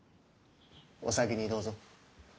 お先にどーぞ。